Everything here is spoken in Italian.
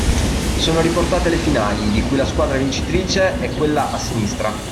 Sono riportate le finali, di cui la squadra vincitrice è quella a sinistra.